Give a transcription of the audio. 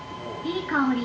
いい香り。